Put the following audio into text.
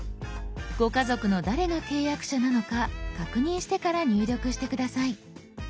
ご家族の誰が契約者なのか確認してから入力して下さい。